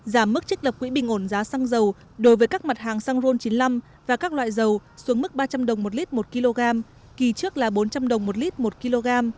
giảm mức trích lập quỹ bình ổn giá xăng dầu đối với các mặt hàng xăng ron chín mươi năm và các loại dầu xuống mức ba trăm linh đồng một lít một kg kỳ trước là bốn trăm linh đồng một lít một kg